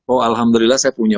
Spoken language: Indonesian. oh alhamdulillah saya punya